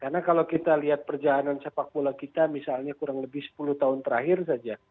karena kalau kita lihat perjalanan persepakbola kita misalnya kurang lebih sepuluh tahun terakhir saja